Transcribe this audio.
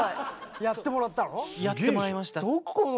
やってもらったの？